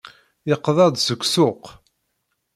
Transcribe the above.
Yeqḍa-d seg ssuq.